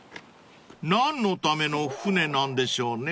［何のための船なんでしょうね？］